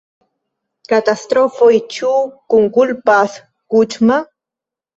Katastrofoj: ĉu kunkulpas Kuĉma?